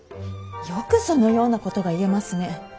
よくそのようなことが言えますね。